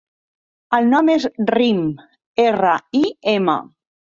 El nom és Rim: erra, i, ema.